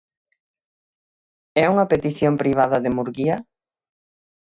É unha petición privada de Murguía?